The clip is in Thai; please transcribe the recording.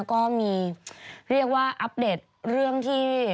ก็มีเรียกว่าอัปเดตเรื่องที่